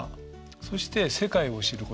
そして世界を知る言葉。